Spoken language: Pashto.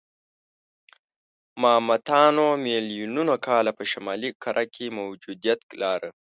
ماموتانو میلیونونه کاله په شمالي کره کې موجودیت لاره.